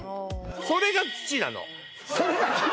「それが乳なの」